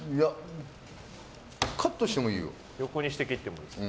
カットしてもいいよ。